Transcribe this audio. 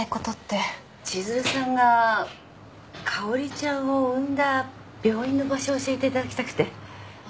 千鶴さんがかおりちゃんを産んだ病院の場所を教えていただきたくて。